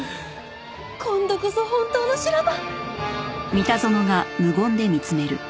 今度こそ本当の修羅場！